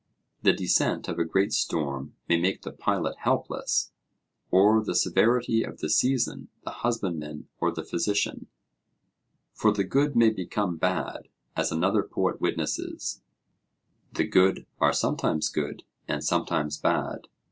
The descent of a great storm may make the pilot helpless, or the severity of the season the husbandman or the physician; for the good may become bad, as another poet witnesses: 'The good are sometimes good and sometimes bad.'